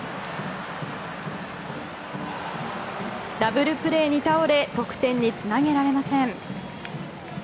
ダブルプレーに倒れ得点につなげられません。